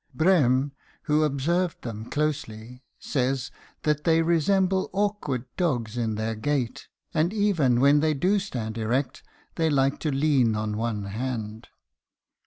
Brehm, who observed them closely, says that they resemble awkward dogs in their gait, and even when they do stand erect they like to lean on one hand.